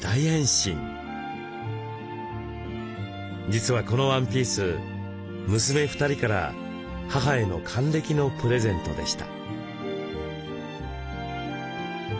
実はこのワンピース娘２人から母への還暦のプレゼントでした。